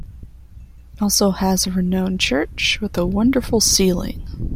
It also has a renowned church with a wonderful ceiling.